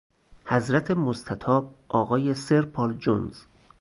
حضرت مستطاب آقای سرپال جونز